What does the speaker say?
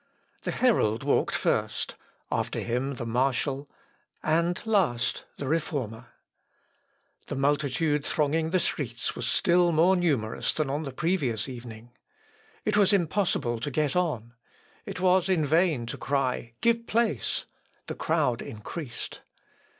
The herald walked first, after him the marshal, and last the Reformer. The multitude thronging the streets was still more numerous than on the previous evening. It was impossible to get on; it was in vain to cry, Give place: the crowd increased.